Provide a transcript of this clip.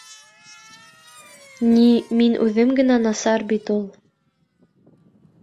Ни, мин үҙем генә насар бит ул.